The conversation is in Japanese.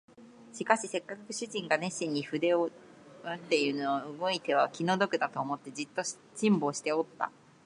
しかしせっかく主人が熱心に筆を執っているのを動いては気の毒だと思って、じっと辛抱しておった